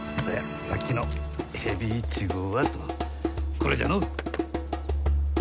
これじゃのう。